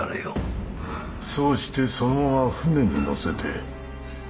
そうしてそのまま船に乗せて。